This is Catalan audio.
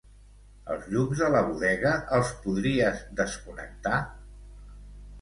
Els llums de la bodega els podries desconnectar?